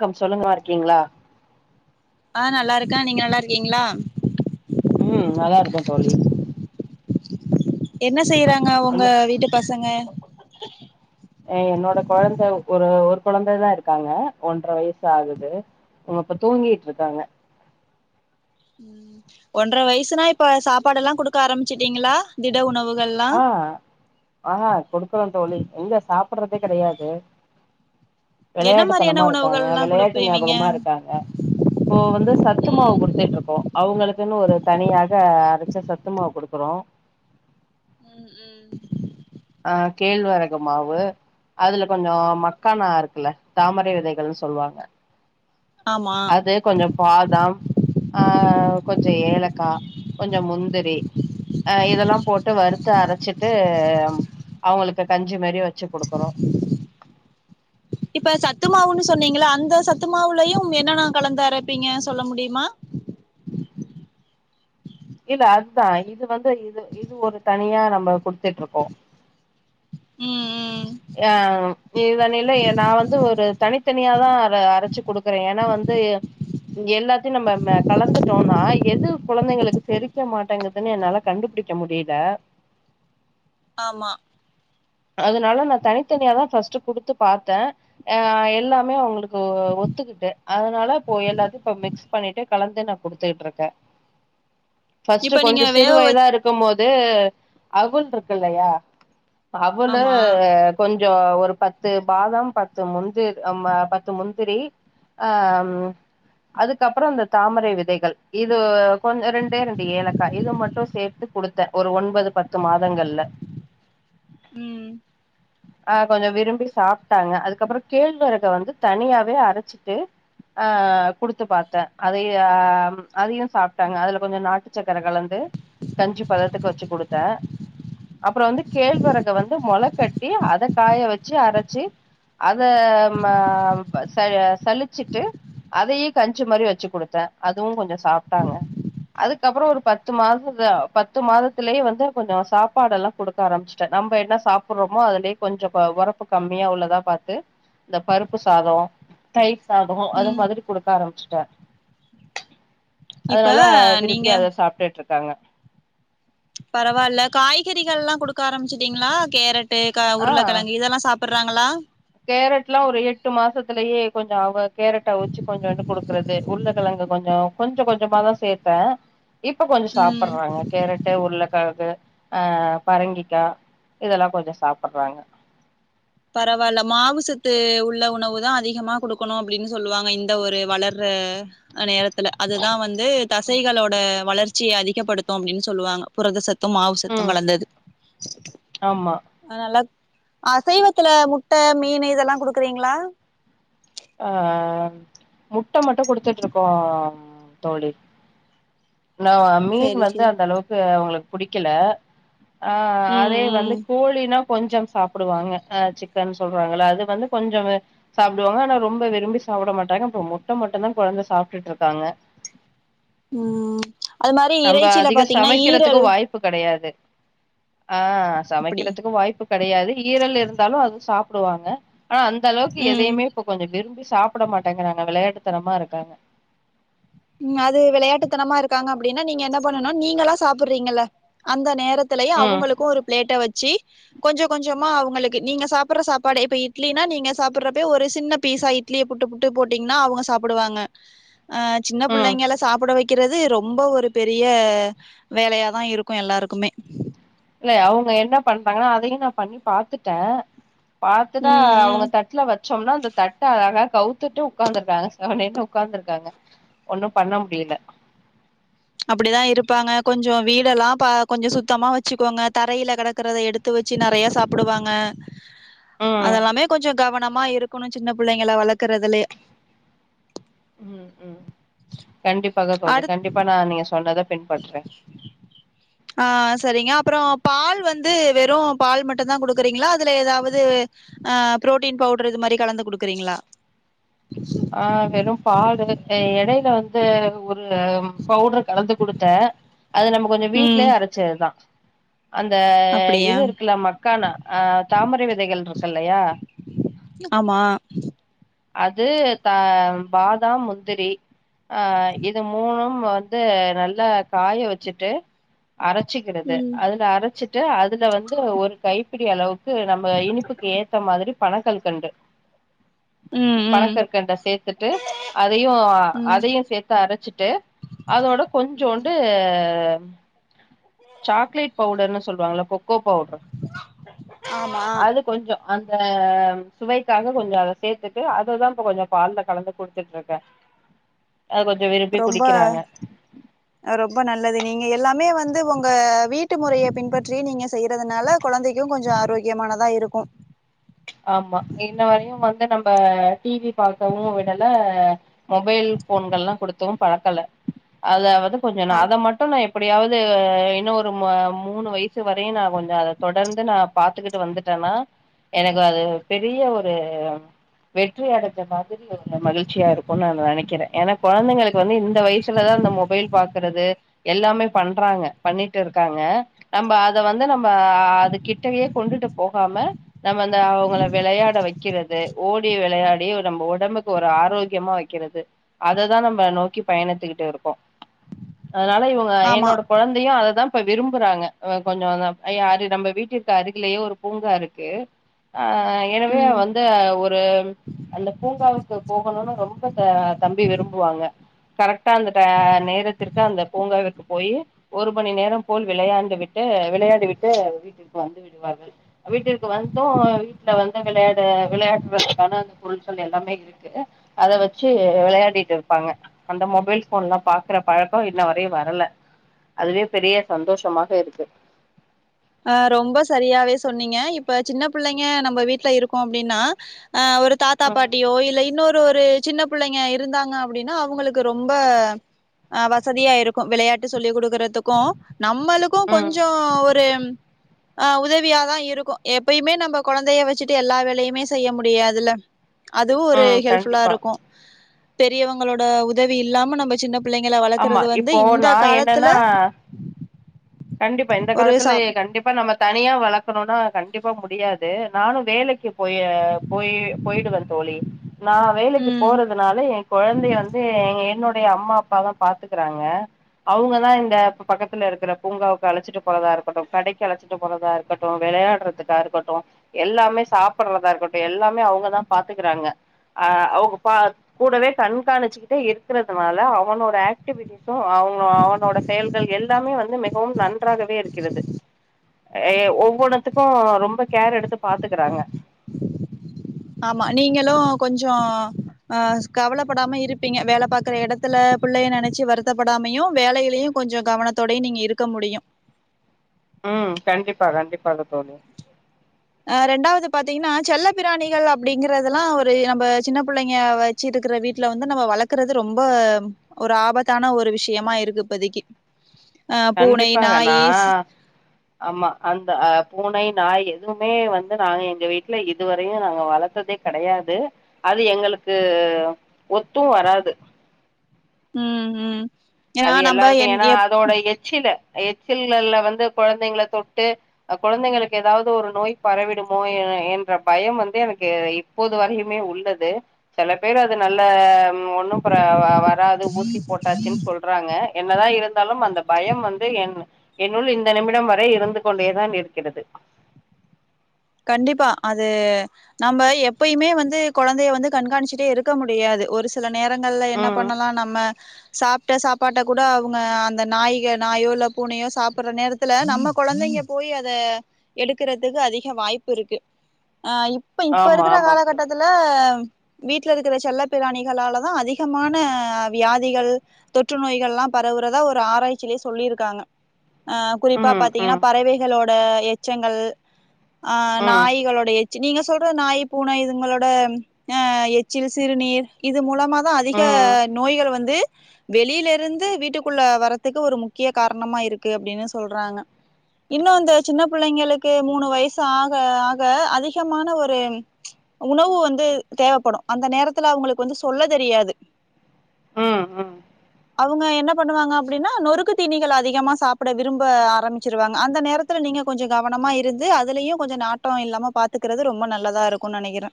க்கம் சொல்லுங்க நல்லாயிருக்கீங்ளா ஆ நல்லா இருக்கே நீங்க நல்லா இருக்கீங்ளா ம் நல்லா இருக்கே தோழி என்ன செய்றாங்க உங்க என்ன வீட்டு பசங்க என்னோட கொழந்த ஒரு ஒரு கொழந்ததா இருக்காங்க ஒன்றரை வயசு ஆகுது அவுங்க இப்ப தூங்கிட் இருக்காங்க ஒன்றர வயசுனா இப்ப சாப்பாடுல்லா கெடுக்க ஆரம்பிச்சுட்டீங்ளா திட உணவுகள்ல்லா ஆ குடுக்குறோ தோழி எங்க சாப்பறதே கெடையாது என்ன மாரியான வெளையாட்டுத்தனமா இருக்காங்க உணவுகள்லா வெளையாட்டு குடுப்பீவிங்க ஞாபகமா இருக்காங்க இப்போ வந்து சத்து ம் மாவு குடுத்துட்டு இருக்கோ அவுங்களுக்குன்னு ஒரு தனியாக அரைச்ச சத்து மாவு குடுக்குறோ ம் ம் ஆ கேழ்வரகு மாவு அதுல கொஞ்சோ மக்கானா இருக்குல்ல தாமரை விதைகள்னு சொல்வாங்க ஆமா அது கொஞ்சோ பாதம் ஆ கொஞ்சோ ஏலக்கா கொஞ்சோ முந்திரி அ இதெல்லா போட்டு வறுத்து அரச்சிட்டு அவுங்களுக்கு கஞ்சி மேரி வச்சு குடுக்குறோ இப்ப சத்து மாவுன்னு சொன்னீங்கள அந்த சத்து மாவுலையும் என்னென்ன கலந்து அரப்பீங்க சொல்ல முடியுமா இல்ல அதுதா இது வந்து இது இது ஒரு தனியா நம்ம குடுத்துட்டு இருக்கோ ம் ம் ஆ இது தான இல்ல நா வந்து ஒரு தனித்தனியாதா அத அரச்சி குடுக்குறே ஏனா வந்து ம் எல்லாத்தையு நம்ம கலந்துட்டோம்னா எது குழந்தைங்களுக்கு செரிக்க மாட்டேங்குதுன்னு என்னால கண்டுபுடி க்க முடியில ஆமா அதனால நா தனித்தனியா தா ஃபர்ஸ்ட் குடுத்து பாத்த ஆ எல்லாமே அவுங்களுக்கு ஒத்துக்கிட்டு அதனால இப்போ எல்லாத்தையு இப்ப மிக்ஸ் பண்ணிட்டு கலந்து நா குடுத்துட்டு இருக்க [inaudible] ஃபர்ஸ்ட்டு நீங்க கொஞ்சோ வேக சிறு வயதா வச் இருக்கு போது அவுல் இருக்கில்லையா அவுலு ஆமா கொஞ்சோ ஒரு பத்து பாதம் பத்து முந்தி பத்து முந்திரி ஆ ம் அதுக்கப்றோ இந்த தாமரை விதைகள் இது கொஞ்சோ ரெண்டே ரெண்டு ஏலக்கா இத மட்டு சேத்து குடுத்த ஒரு ஒன்பது பத்து மாதங்கள்ல ம் ஆ கொஞ்சோ விரும்பி சாப்ட்டாங்க அதுக்கப்றோ கேழ்வரக வந்து தனியாவே அரச்சிட்டு ஆ குடுத்து பாத்த அதையு அ அதையு சாப்ட்டாங்க அதுல கொஞ்சோ நாட்டு சக்கர கலந்து கஞ்சி பதத்துக்கு வச்சு குடுத்த அப்றோ வந்து கேழ்வரக வந்து மொள கட்டி அத காய வச்சு அரச்சி அத ம ச சழிச்சிட்டு அதயி கஞ்சி மாறி வச்சு குடுத்த அதுவு கொஞ்சோ சாப்டாங்க அதுக்கப்றோ ஒரு பத்து மாத பத்து மாதத்திலேயே வந்து கொஞ்சோ சாப்பாடு எல்லா குடுத் ஆரம்பிச்சுட்ட நம்ம என்ன சாப்புறோமோ அதுலயே கொஞ்சோ ஒரப்பு கம்மியா உள்ளதா பாத்து இந்த பருப்பு சாதோ தயிர் சாதோ அது ம் மாதிரி குடுக்க ஆரம்பிச்சுட்டே இப்ப அதனால விரும்பி நீங்க அத சாப்டுட்டு இருக்காங்க பரவால்ல காய்கறிகள் எல்லா குடுக்க ஆரம்பிச்சிட்டீங்ளா கேரட்டு உருளைக்கிழங்கு இதெல்லா சாப் ப்புர்றாங்ளா கேரட்ல்லா ஒரு எட்டு மாசத்துலயே கொஞ்சொ அவ கேரட்டா அவுச்சு கொச்சோண்டு கொடுக்குறத் இது உருளகிழங்கு கொஞ்சொ கொஞ்சொ கொஞ்சமா தா சேர்த்தே இப்ப கொஞ்சொ ம் சாப்பற்றாங்க கேரட்டு உருளக்கிழகு ஆஹ் பரங்கிக்கா இதெல்லா கொஞ்சொ சாப்பட்றாங்க பரவாயில்ல மாவுசத்து உள்ள உணவு தா அதிகமா குடுக்கணூ அப்டின்னு சொல்லுவாங்க இந்த ஒரு வளர்ற நேரத்துல அதுதா வந்து தசைகளோட வளர்ச்சியை அதிகப்படுத்தூ அப்டின்னு சொல்லுவாங்க புரதசத்தூ மாவுசத்தூ ம் கலந்தது ஆமா அதனால அசைவத் த்துல முட்ட மீனூ இதெல்லா குடுக்கறீங்ளா ஆம் முட்ட மட்டூ குடுத்துட்டு இருக்கோ தோழி நா மீன் சேரி வந்து சேரி அந்த அளவுக்கு அவங்களுக்கு புடிக்கல ஆ ம் அதே வந்து ம் கோழினா கொஞ்சொ சாப்புடுவாங்க ஆ சிக்கன் சொல்றாங்கில்ல அது வந்து கொஞ்சொ வே சாப்பிடுவாங்க ஆனாப் ரொம்ப விரும்பி சாப்ட மாட்டாங்க அப்பறோ முட்ட மட்டூ தா கெழந்த சாப்டுட்டு இருக்காங்க ம் அது மாறி இறைச்சியில பாத்தீங்கன்னா ஈரல் உப்பு கெடையாது ஆ அப்டி சமைக்கிறதுக்கு வாய்ப்பு கெடையாது ஈரல் இருந்தாலூ அதூ சாப்புடுவாங்க ஆனா அந்த அளவுக்கு ம் எதையுமே கொஞ்ச விரும்பி சாப்பிட மாட்டேங்கிறாங்க விளையாட்டுத்தனமா இருக்காங்க ம் அது விளையாட்டுத்தனமா இருக்காங்க அப்டின்னா நீங்க என்ன பண்ணனோ நீங்களா சாப்புறீங்கல்ல அந்த நேரத் திலயூ ம் அவங்களுக்கூ ஒரு பிளேட்ட வெச்சி கொஞ்சொ கொஞ்சமா அவங்களுக்கு நீங்க சாப்புற சாப்பாடு இப்ப இட்லினா நீங்க சாப்புறப்பே ஒரு சின்ன பீஸா இட்லியே புட்டு புட்டு போட்டீங்கன்னா அவங்க சாப்டுவாங்க அ சின்ன ம் புள்ளைங்கள சாப்புட வைக் க்கிறது ரொம்ப ஒரு பெரிய வேலையாதா இருக்கூ எல்லாருக்குமே இல்ல அவங்க என்ன பண்றாங்கன்னா அதையும் நா பண்ணி பாத்துட்டே பாத்துதா ம் அவங்க ம் தட்டுல வச்சோம்னா அந்த தட்டு அழகா கௌத் த்துட்டு உட்காந்துர்றாங்க செவனேனு உட்காந்துருக்காங்க ஒன்னூ பண்ண முடியல அப்டிதா இருப்பாங்க கொஞ்சொ வீடெல்லா பாத் கொஞ்சொ சுத்தமா வச்சுக்கோங்க தரையில கெடக்குறத எடுத் த்து வெச்சு நெறைய சாப்புடுவாங்க ம் அதெல்லாமே கொஞ்சொ கவனமா இருக்கணூ சின்ன புள்ளைங்க வளக்குறதுலயே ம் ம் கண்டிப்பாக தோழி அடுத் கண்டிப்பா நா நீங்க சொன்னத பின்பற்றே ஆ செரிங்க அப்புறோ பால் வந்து வெறும் பால் மட்டுந்தா கொடுக்குறீங்களா அதுல ஏதாவது அ புரோட்டீன் பவுடர் இது மாறி கலந்து குடுக்கறீங்களா ஆ வெறு பாலு இடையில வந்து ஒரு பவுடரு கலந்து கொடுத்தே அது நம்ம கொஞ்சொ ம் வீட்லயே அரச்சதுதா அந்த அப்டியா இது இருக்குல்ல மக்கான அ தாமரை விதைகள் இருக்கு இல்லையா ஆமா அது த பாதா முத்திரி அ இது மூணு வந்து நல்லா காய வச்சுட்டு அரைச்சிக்கிறது ம் அதுல அரைச்சிட்டு அதுல வந்து ஒரு கைப்பிடி அளவு க்கு நம்ம இனிப்புக்கு ஏத்த மாதிரி பணங்கற் கண்டு ம் ம் பணங்கற் சேத்துட்டு அதையும் ம் அதையும் சேத்து அரைச்சிட்டு அதோட ம். கொஞ்சோன்டு இது சாக்லேட் பவுடர்ன்னு சொல்லுவாங்கள்ல கொக்கோ பவுடர் ஆமா அது கொஞ்சொ அந்த சுவைக்காக கொஞ்சொ அத சேர்த்துட்டு அததா இப்ப கொஞ்சொ பால்ல கலந்து குடுத்துட்டுருக்கே அது கொஞ்சொ விரும்பி ரொம்ப குடிக்கிறாங்க ரொம்ப நல்லது நீங்க எல்லாமே வந்து உங்க வீட்டு முறய பின்பற்றி நீங்க செய்றதுனால கொழந்தைக்கு கொஞ்சோ ஆரோக்கியமானதா இருக்கும் ஆமா இன்ன வரையு வந்து நம்ப டி வி பாக்கவு விடல மொபைல் ஃபோன்கள்ல்லா குடுத்தும் பழக்கல அத வந்து கொஞ்சோ நா அ அத மட் டும் நா எப்டியாவது இன்னு ஒரு மூணு வயசு வரையு நா கொஞ்சோ அத தொடர்ந்து நா பாத்துக்கிட்டு வந்துட்டன்னா எனக்கு அது பெரிய ஒரு வெற்றி அடஞ்ச மாதிரி ஒரு மகிழ்ச்சியா இருக்கும்னு நா நினைக்கிற ஏன்னா கொழந்தைகளுக்கு வந்து இந்த வயசுலதா அந்த மொ பைல் பாக்குறது எல்லாமே பண்றாங்க பண்ணிட்டு இருக்காங்க நம்ப அத வந்து நம்ம அது கிட்டயே கொண்டுட்டு போகாம நம்ம அந்த அவங்கள விளையாட வெக் கிறது ஓடி விளையாடி நம்ம ஒடம்புக்கு ஒரு ஆரோக்கியமா வெக்கிறது அததா நம்ம நோக்கி பயணத்துக்கிட்டு இருக்கோ அதனால இவங்க ஆமா என்னோட குழந்தையு அதைதா இப்ப விரும்புறாங்க அ கொஞ்சோ அந்த யாரு அது நம்ம வீட்டிற்கு அருகிலயே ஒரு பூங்கா இருக்கு ஆ எனவே ம் வந்து ஒரு அந்த பூங்காவுக்கு போகணும்னு ரொம்ப அ தம்பி விரும்புவாங்க கரெக்டா அந்த டே நேரத்திற்க் கு அந்த பூங்காவிற்கு போயி ஒரு மணி நேரம் போல் விளையாண்டு விட்டு விளையாடி விட்டு வீட் டிற்கு வந்து விடுவார்கள் வீட்டிற்கு வந் தும் வீட்ல வந்து விளையாட விளையாடுவதக்கான அந்த பொருட்கள் எல்லாமே இருக் கு அத வச்சு விளையாடிட்டு இருப்பாங்க அந்த மொபைல் ஃபோன் எல்லா பாக்குற பழக்கோ இன்ன வரையு வரல அதுவே பெரிய சந்தோஷமாக இருக்கு அ ரொம்ப சரியாவே சொன்னீங்க இப்ப சின்ன புள்ளைங்க நம்ம வீட்ல இருக்கோ அப்டின்னா அ ஒரு தாத்தா ம் பாட் டியோ இல்ல இன்னொரு ஒரு சின்ன புள்ளைங்க இருந்தாங்க அப்டின்னா அவங்களுக்கு ரொம்ப அ வசதியா இருக்கும் விளையாட்டு சொல்லி் குடுக்கறதுக்கும் நம்மளுக்கு ம் கொஞ்சோ ஒரு அ உதவியாதா இருக்கும் எப்பயுமே நம்ம கொழந்தைய வச்சுட்டு எல்லா வேலையுமே செய்ய முடியாது இல்ல அதுவு ஒரு ம் ஹெல்ப்ஃபுல்லா கண்டிப்பா இருக்கும் பெரியவங்களோட உதவி இல்லாம நம்ப சின்ன பிள்ளைங்கள ஆமா வளக்குறது வந்து இப்போ இந்த நா காலத்துல என்னன்னா கண்டிப்பா இந்த ஒரு காலத்துல சா கண்டிப்பா நம்ம தனியா வளக்கணுன்னா கண்டிப்பா முடியாது நானு வேலைக்கு போய போயி போயிடுவ தோழி நா வேலைக்கு ம் போறது னால என் கொழந்தைய வந்து எங்க என்னுடைய அம்மா அப்பாதா பாத்துக்கறாங்க அவுங்க தா இந்த பக்கத்துல இருக்கிற பூங்காக்கு அழைச்சிட்டு போறதா இருக்கட்டும் கடைக்கு அழைச்சிட்டு போறதா இருக்கட்டும் விளையாட்றதுக்கா இருக்கட்டும் எல்லாமே சாப்பிட்றதா இருக்கட்டும் எல்லாமே அவுங்கதா பாத்துக்கறாங்க அ அவுங்க பா கூடவே கண்காணிச்சுக்கிட்டே இருக்கறதுனால அவனோட ஆக் டிவிட்டிஸ்சும் அவுங்க அவனோட செயல்கள் எல்லாமே வந்து மிகவும் நன்றாகவே இருக்கிறது ஏ ஒவ்வொன்னத்துக்கும் ரொம்ப கேர் எடுத்து பாத்துக்கறாங்க ஆமா நீங்களும் கொஞ்சோ அ கவலைப்படாம இருப்பீங்க வேலை பாக்குற எடத்துல பிள்ளைய நினைச்சி வருத்தப்படாமையு வேலையிலையு கொஞ்சோ கவனத்தோடயு நீங்க இருக்க முடியு ம் கண்டிப்பா கண்டிப்பாக தோழி அ ரெண்டாவது பாத்தீங்கன்னா செல்ல பிராணிகள் அப்படிங்கறதெல்லா ஒரு நம்ம சின்ன புள்ளைங்க வச் ச்சிட்ருக்குற வீட்ல வந்து நம்ம வளக்கறது ரொம்ப உம் ஒர் ஆபத்தான ஒரு விஷ்யமா இருக்கு இப்பதிக்கி அ பூனை கண்டிப்பாக நா நாயிஸ் ஆமா அந்த அ பூனை நாய் எதுமே வந்து நாங்க எங்க வீட்ல இதுவரையு நாங்க வளத்ததே கடையாது அது எங்களுக்கு ஒத்து வராது ம் ம் ஏன்னா அது நம்ம எல்லாருக்கு என் ஏன்னா எப் அதோட எச்சில எச்சில்லல்ல வந்து கொழந்தைங்கள தொட்டு அ கொழந்தைங்களுக்கு ஏதாவ்து ஒரு நோய் பரவிடுமோ என என்ற பயம் வந்து எனக்கு இப் போது வரையுமே உள்ளது செல பேர் அது நல்லம் ஒன்னு ப்ர வ வராது ஊசி போட்டாச்சுன்ஸ் சொல்றாங்க என்னதா இருந்தாலும் அந்த பயம் வந்து என்னு என்னுள் இந்த நிமிடம் வரை இருந்து கொண்டேதான் இர்க்கிறது கண்டிப்பா அது நம்ப எப்பயுமே வந்து கொழந்தைய வந்து கண்காணிச்சுட்டே இருக்க முடியாது ஒருஸ் சில நேரங்கள்ல என்ன ம் பண்ணலா நம்ம சாப்ட சாப்பாட்ட கூட அவுங்க அந்த நாய்க நாயோ இல்ல பூனையோ சாப்பிர்ற நேரத் த்துல நம்ம கொழந்தைங்க போய் அது எடுக்கறதுக்கு அதிஹ வாய்ப் இருக்கு ஆ இப் இப்ப இப்ப ஆமா இருக்குற ஆமாம் தோழி காலகட்டத்துல அம் வீட்ல இருக்குற செல்லப் பிராணிகளாலதா அதிஹமான வ்யாதிகள் தொற்று நோய்கள்லா பரவுறதா ஒரு ஆராய்ச்சிலே சொல்லிருக்காங்க அ குறிப்பா ம் பாத்தீங்கன்னா ம் பறவைஹளோட எச்சங்கள் ஆ ம் நாய்களோடையே சி நீங்க சொல்ற நாய் பூனை இதுங்களோடம் ஆ எச்சில் சிறுநீர் இது மூலம மாதா அதிக ம் நோய்கள் வந்து வெளில இருந்து வீட்டுக்குள்ள வரத்துக்கு ஒரு முக்கிய காரணமா இருக்கு அப்டின்னு சொல்றாங்க இன்னு அந்த சின்ன பிள்ளைங்களுக்கே மூணு வயசு ஆக ஆக அதிஹமான ஒரும் உணவு வந்து தேவப்படு அந்த நேரத்துல அவ்ங்களுக் வந்து சொல்ல தெரியாது ம் ம் அவுங்க என்ன பண்ணுவாங்க அப்டின்னா நொறுக்கு தீணிகள் அதிகமா சாப்புட விரும்ப ஆரம்பிச்சிருவாங் அந்த நேரு த்துல நீங்க கொஞ்சு கவனமா இருந்து அது அதுலயு கொஞ்சு நாட்டோ இல்லாம பாத்துக்கறது ரொம்ப நல்லதா இருக்கு நனைக்கிறே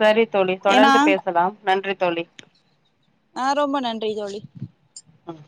சரி தோழி ஏன்னா தொடர்ந்து பேசலாம் நன்றி தோழி ஆ ரொம்ப நன்றி தோழி அம்